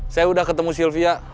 saya udah ketemu sylvia